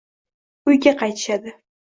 Uyga qaytishadi.